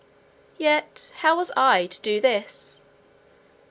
Yet how was I to do this?